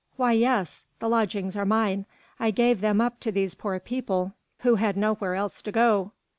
"Why yes. The lodgings are mine, I gave them up to these poor people who had nowhere else to go."